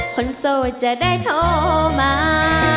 โสดจะได้โทรมา